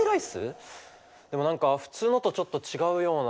でも何か普通のとちょっと違うような。